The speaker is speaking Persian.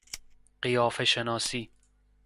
قیافه شناسی